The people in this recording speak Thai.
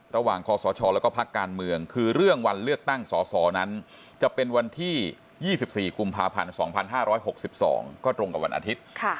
ระหว่างคศและก็พกคือเรื่องวันเลือกตั้งสสนั้นจะเป็นวันที่๒๔กุมภาพันธ์๒๕๖๒ก็ตรงกับวันอาทิตย์